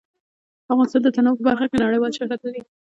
افغانستان د تنوع په برخه کې نړیوال شهرت لري.